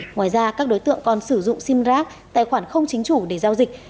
ngoài ra các đối tượng còn sử dụng sim rac tài khoản không chính chủ để giao dịch